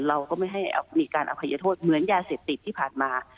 เราก็ไม่ให้มีการอภัยโทษเหมือนยาเสพติดที่ผ่านมา